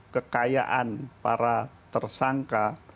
kekayaan para tersangka